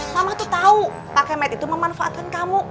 mama tuh tahu pak kemet itu memanfaatkan kamu